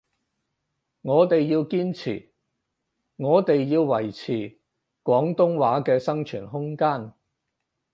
我哋要堅持，我哋要維持廣東話嘅生存空間